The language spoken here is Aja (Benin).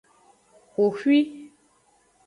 Xoxwi.